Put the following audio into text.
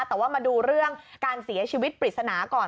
แต่ว่ามาดูเรื่องการเสียชีวิตปริศนาก่อน